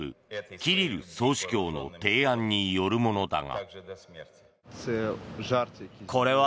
キリル総主教の提案によるものだが。